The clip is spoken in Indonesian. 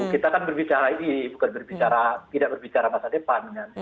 kita kan berbicara ini bukan berbicara tidak berbicara masa depan kan